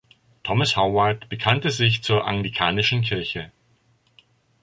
Thomas Howard bekannte sich zur Anglikanischen Kirche.